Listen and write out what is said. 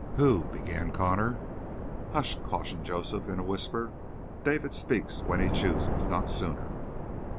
"Who " began Connor. "Hush," cautioned Joseph in a whisper. "David speaks when he chooses not sooner."